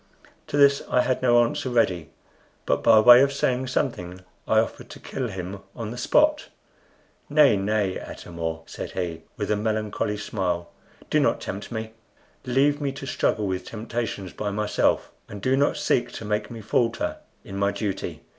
To this I had no answer ready; but by way of saying something, I offered to kill him on the spot. "Nay, nay, Atam or," said he, with a melancholy smile, "do not tempt me. Leave me to struggle with temptations by myself, and do not seek to make me falter in my duty.